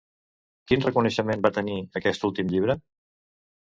Quin reconeixement va tenir aquest últim llibre?